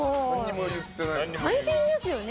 大変ですよね。